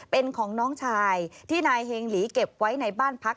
เป็นของน้องชายที่นายเฮงหลีเก็บไว้ในบ้านพัก